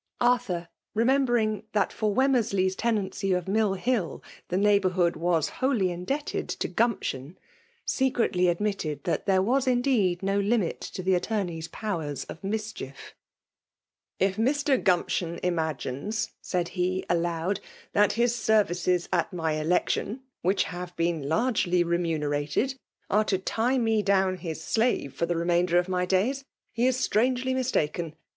Arthur^ remembering that for Wemmen^ ley*8 tenancy of Mill Hill the neighbourhood was wholly indebted to Oumption^ seorodj admitted that there was indeed no Ibnit to the attomey*8 powers of mischief* '< If Mr. Gumption imagines/* said he aloU^ *' that his services at my election (whioh hfliid been largely remunerated) are to tie im down his slave for the remainder of my dnyi^ he is strangely mistaken.